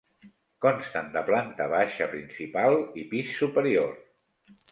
Consten de planta baixa, principal i pis superior.